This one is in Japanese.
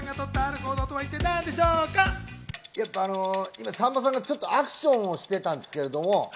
今、さんまさんがアクションをしてたんですけれど。